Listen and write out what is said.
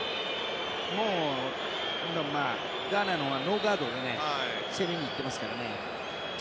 もうガーナのほうがノーガードで攻めにいってますからね。